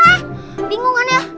eh bingungan ya